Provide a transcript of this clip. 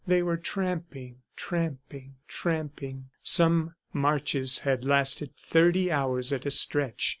They were tramping ... tramping ... tramping! Some marches had lasted thirty hours at a stretch.